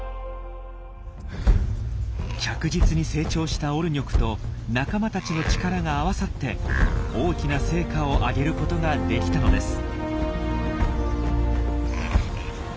着実に成長したオルニョクと仲間たちの力が合わさって大きな成果を上げることができたのです。